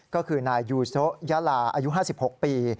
ก็คือนายยูโซยาลาอายุ๕๖ปี